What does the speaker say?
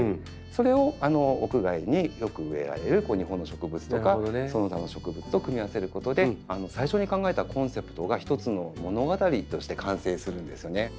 それを屋外によく植えられる日本の植物とかその他の植物と組み合わせることで最初に考えたコンセプトが一つの物語として完成するんですよね。